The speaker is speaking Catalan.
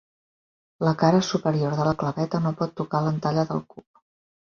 La cara superior de la claveta no pot tocar l'entalla del cub.